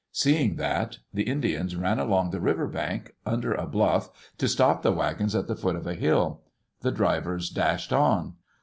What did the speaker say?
Seeing that, the Indians ran along the river bank, under a bluff, to stop the wagons at the foot of a hill. The drivers dashed on.